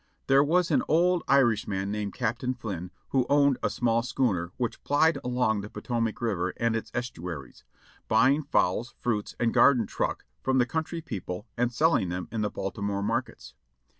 "There was an old Irishman named Captain Flynn who owned a small schooner which plied along the Potomac River and its estu aries, buying fowls, fruits and garden truck from the country people and selling them in the Baltimore markets.